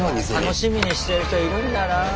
楽しみにしてる人いるんだな。